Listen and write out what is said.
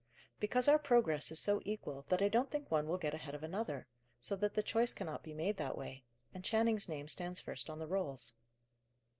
"Because our progress is so equal that I don't think one will get ahead of another, so that the choice cannot be made that way; and Channing's name stands first on the rolls."